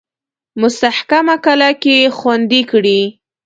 مستحکمه کلا کې خوندې کړي.